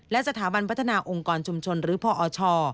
และสถาบันพัฒนาองค์กรชุมชนหรือพอช